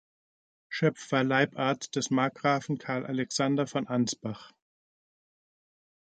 Schöpf war Leibarzt des Markgrafen Karl Alexander von Ansbach.